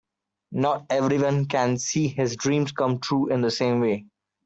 Not everyone can see his dreams come true in the same way.